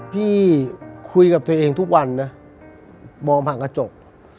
พี่คุยกับตัวเองทุกวันนะมองผ่านกระจก